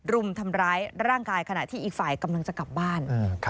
รุมทำร้ายร่างกายขณะที่อีกฝ่ายกำลังจะกลับบ้าน